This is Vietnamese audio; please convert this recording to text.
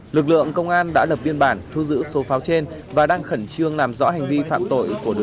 lực lượng công an đã lập viên bản thu giữ số pháo trên và đang khẩn trương làm rõ hành vi pháo nổ